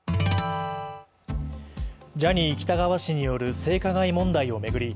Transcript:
ジャニー喜多川氏による性加害問題を巡り